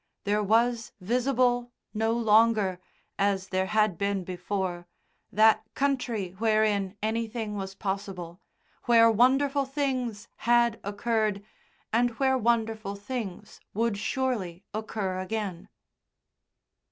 There was visible no longer, as there had been before, that country wherein anything was possible, where wonderful things had occurred and where wonderful things would surely occur again.